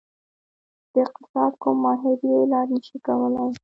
د اقتصاد کوم ماهر یې علاج نشي کولی.